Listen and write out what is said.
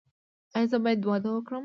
ایا زه باید واده وکړم؟